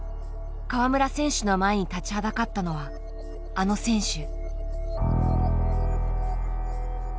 川村選手の前に立ちはだかったのはあの選手。